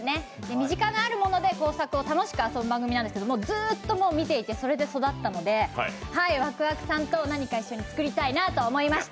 身近にあるもので工作を楽しく遊ぶ番組なんですけどずーっと見ていて、それで育ったので、わくわくさんと何か一緒に作りたいなと思いました。